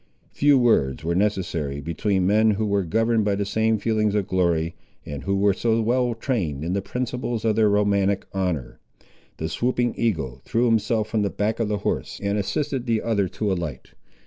Few words were necessary, between men who were governed by the same feelings of glory, and who were so well trained in the principles of their romantic honour. The Swooping Eagle threw himself from the back of the horse, and assisted the other to alight.